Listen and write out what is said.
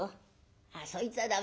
ああそいつは駄目だ。